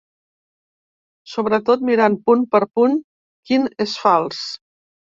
Sobretot mirant punt per punt quin és fals.